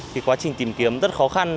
thì quá trình tìm kiếm rất khó khăn